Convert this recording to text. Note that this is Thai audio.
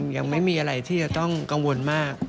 ยังไม่มีอะไรที่จะต้องกังวลมาก